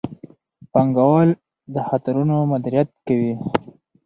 پانګوال د خطرونو مدیریت کوي.